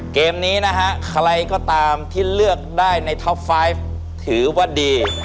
เกมนี้นะฮะใครก็ตามที่เลือกได้ในท็อปไฟล์ถือว่าดี